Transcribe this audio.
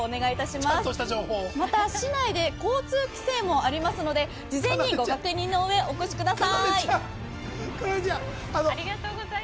また市内で交通規制もありますので事前にご確認の上お越しください。